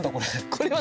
これは。